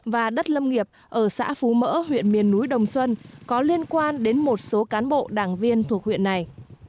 và đất lâm nghiệp ở xã phú mỡ huyện miền núi đồng xuân có liên quan đến một số cán bộ đảng viên thuộc huyện này